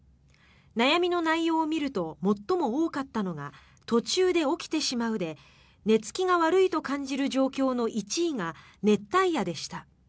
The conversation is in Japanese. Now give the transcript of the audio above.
悩みの内容を見ると最も多かったのが途中で起きてしまうで寝付きが悪いと感じる状況の１位が熱帯夜でした。